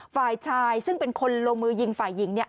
ฝ่ายชายซึ่งเป็นคนลงมือยิงฝ่ายหญิงเนี่ย